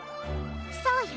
そうよ。